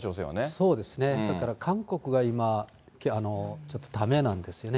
そうですね、だから韓国が今、ちょっとだめなんですよね。